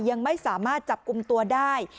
ยังไม่สามารถจับกลุ่มตัวได้